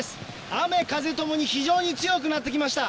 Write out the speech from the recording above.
雨風共に非常に強くなってきました。